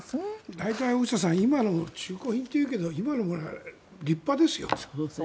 大体、大下さん今野、中古品っていうけど今のはすごく立派ですよ。